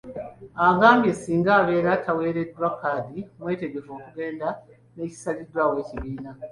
Agambye singa abeera taweereddwa kkaadi, mwetegefu okugenda n'ekisaliddwawo ekibiina.